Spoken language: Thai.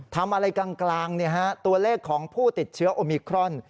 ทำอะไรกลางตัวเลขของผู้ติดเชื้อโอมิครอน